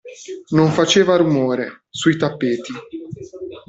Non faceva rumore, sui tappeti.